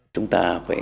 chúng ta phải coi